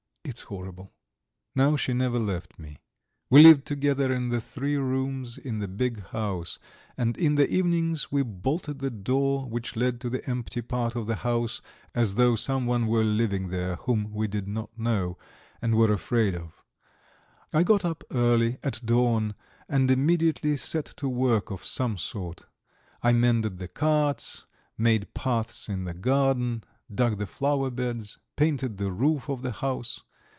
"It's horrible!" Now she never left me. We lived together in the three rooms in the big house, and in the evenings we bolted the door which led to the empty part of the house, as though someone were living there whom we did not know, and were afraid of. I got up early, at dawn, and immediately set to work of some sort. I mended the carts, made paths in the garden, dug the flower beds, painted the roof of the house.